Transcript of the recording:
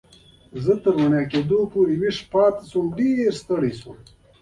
بیا تر رڼا کېدو پورې ویښ پاتې شوم او ډېر و خسته شوم.